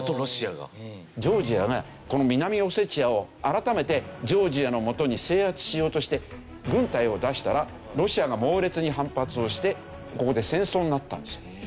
ジョージアがこの南オセチアを改めてジョージアの元に制圧しようとして軍隊を出したらロシアが猛烈に反発をしてここで戦争になったんですよ。